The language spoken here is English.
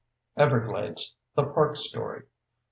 _Everglades: The Park Story.